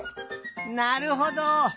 なるほど！